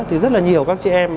thì rất là nhiều các chị em